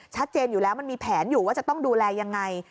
ชัดเจนอยู่แล้วมันมีแผนอยู่ว่าจะต้องดูแลยังไง